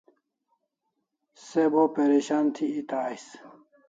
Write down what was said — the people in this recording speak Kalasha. Se bo perishan thi eta ais